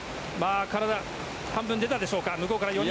体半分出たでしょうか。